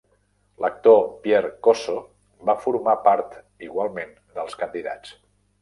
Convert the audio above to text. L'actor Pierre Cosso va formar part igualment dels candidats.